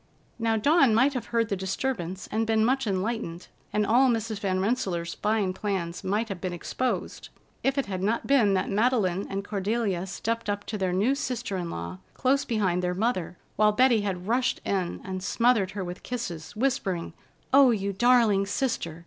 Now, Dawn might have heard the disturbance and been much enlightened, and all Mrs. Van Rensselaer's fine plans might have been exposed, if it had not been that Madeleine and Cordelia stepped up to their new sister in law close behind their mother, while Betty had rushed in and smothered her with kisses, whispering: "Oh, you darling sister!